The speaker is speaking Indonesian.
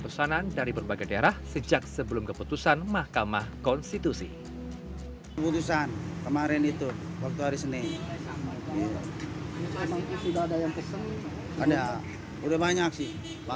emang ada yang ciri ciri khusus biasanya di foto fotonya